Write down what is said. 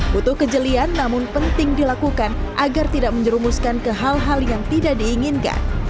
butuh kejelian namun penting dilakukan agar tidak menjerumuskan ke hal hal yang tidak diinginkan